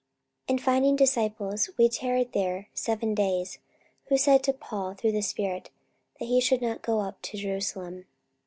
44:021:004 And finding disciples, we tarried there seven days: who said to Paul through the Spirit, that he should not go up to Jerusalem.